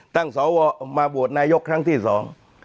สวมาโหวตนายกครั้งที่สอง